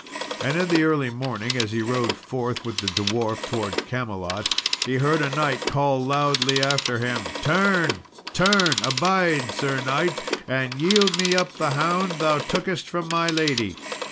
And in the early morning, as he rode forth with the dwarf towards Camelot, he heard a knight call loudly after him, "Turn, turn! Abide, Sir knight, and yield me up the hound thou tookest from my lady."